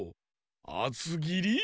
あつぎり？